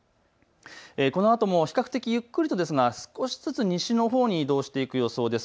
このあとも比較的ゆっくりとですが少しずつ西のほうに移動していく予想です。